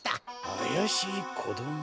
あやしいこども？